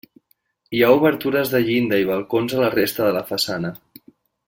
Hi ha obertures de llinda i balcons a la resta de la façana.